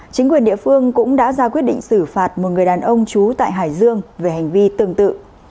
chính quyền địa phương cũng đã ra quyết định xử phạt một người đàn ông trú tại hải dương về hành vi tương tự